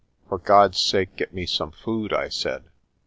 "For God's sake get me some food," I said.